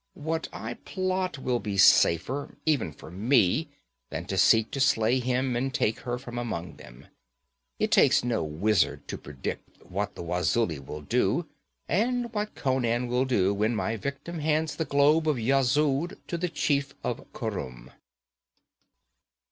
What I plot will be safer, even for me, than to seek to slay him and take her from among them. It takes no wizard to predict what the Wazulis will do, and what Conan will do, when my victim hands the globe of Yezud to the chief of Khurum.'